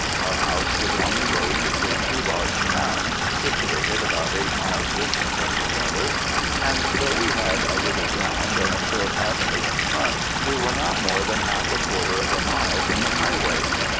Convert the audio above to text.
Our house was on the road between two large towns, situated about eight miles distant from each other; and though we had a little ground and a short avenue in front, we were not more than half a quarter of a mile from the highway.